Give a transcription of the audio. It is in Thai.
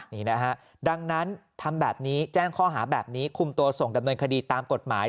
นี่นะฮะดังนั้นทำแบบนี้แจ้งข้อหาแบบนี้คุมตัวส่งดำเนินคดีตามกฎหมาย